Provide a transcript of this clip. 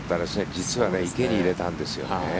実は池に入れたんですよね。